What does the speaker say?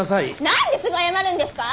何ですぐ謝るんですか？